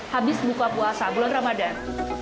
habis buka puasa bulan ramadhan